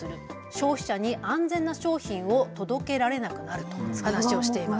消費者に安全な商品を届けられなくなると話をしています。